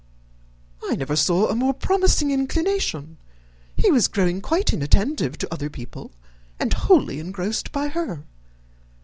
"I never saw a more promising inclination; he was growing quite inattentive to other people, and wholly engrossed by her.